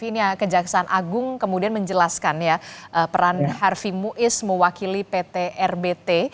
ini ya kejaksaan agung kemudian menjelaskan peran harvey moise mewakili pt rbt